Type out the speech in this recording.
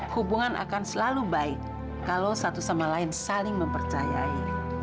hubungan akan selalu baik kalau satu sama lain saling mempercayai